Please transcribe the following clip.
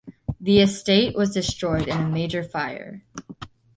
The estate was destroyed in a major fire.